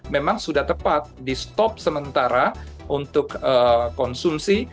memang sudah tepat di stop sementara untuk konsumsi